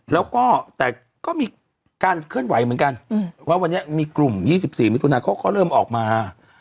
แล้วก็แต่ก็มีการเคลื่อนไหวเหมือนกันว่าวันนี้มีกลุ่ม๒๔มิถุนาเขาก็เริ่มออกมา